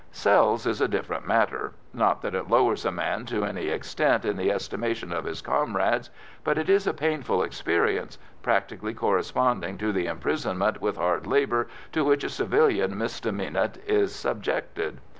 "Cells" is a different matter. Not that it lowers a man to any extent in the estimation of his comrades, but it is a painful experience, practically corresponding to the imprisonment with hard labour to which a civilian misdemeanant is subjected.